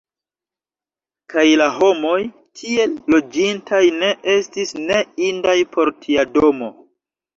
Kaj la homoj, tie loĝintaj, ne estis ne indaj por tia domo!